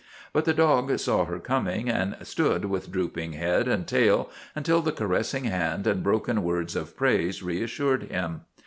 But the dog saw her coming and stood with drooping head and tail until the caressing hand and broken words of praise reassured him.